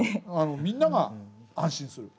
みんなが安心する。